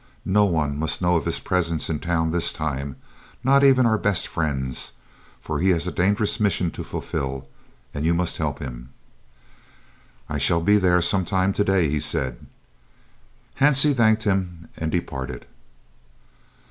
No one must know of his presence in town this time, not even our best friends, for he has a dangerous mission to fulfil and you must help him." "I shall be there some time to day," he said. Hansie thanked him and departed.